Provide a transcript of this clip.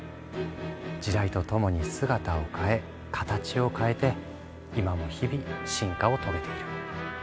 時代と共に姿を変え形を変えて今も日々進化を遂げている。